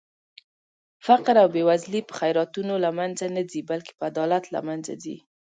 فقر او بې وزلي په خيراتونو لمنخه نه ځي بلکې په عدالت لمنځه ځي